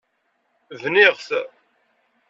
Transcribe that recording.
Bniɣ-t.